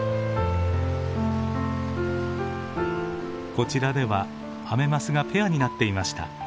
こちらではアメマスがペアになっていました。